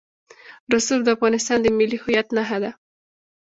رسوب د افغانستان د ملي هویت نښه ده.